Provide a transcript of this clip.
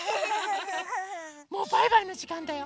もうバイバイのじかんだよ。